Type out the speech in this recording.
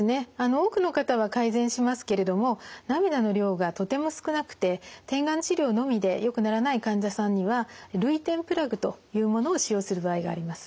多くの方は改善しますけれども涙の量がとても少なくて点眼治療のみでよくならない患者さんには涙点プラグというものを使用する場合があります。